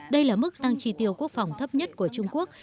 đây là mức tăng tri tiêu quốc phòng thấp nhất của trung quốc